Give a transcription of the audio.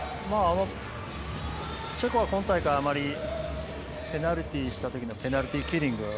チェコは今大会あまりペナルティーしたときのペナルティーキリング